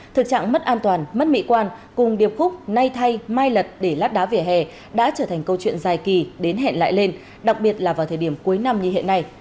thực trạng mất an toàn mất mỹ quan cùng điệp khúc nay thay mai lật để lát đá vỉa hè đã trở thành câu chuyện dài kỳ đến hẹn lại lên đặc biệt là vào thời điểm cuối năm như hiện nay